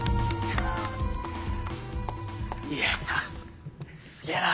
いやすげぇな。